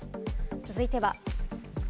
続いては。